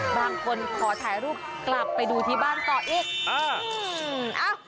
บางคนขอถ่ายรูปกลับไปดูที่บ้านต่ออีก